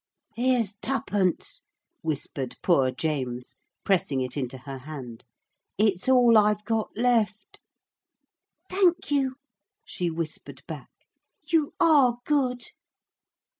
'Here's twopence,' whispered poor James, pressing it into her hand, 'it's all I've got left.' 'Thank you,' she whispered back. 'You are good.'